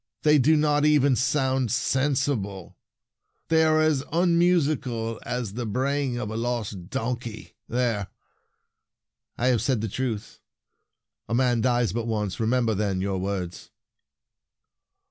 They do not even sound sensible. They are as unmusical as the bray ing of a lost donkey! There! I have said the truth. A man dies but once ! Remember, then, your words."